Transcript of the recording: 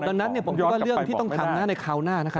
ดังนั้นผมคิดว่าเรื่องที่ต้องทำในคราวหน้านะครับ